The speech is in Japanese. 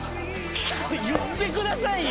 言ってくださいよ！